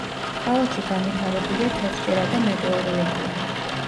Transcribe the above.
ქალაქში განვითარებულია თევზჭერა და მეტეოროლოგია.